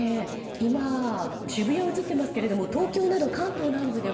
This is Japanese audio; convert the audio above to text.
今、渋谷が映っていますが東京など関東南部では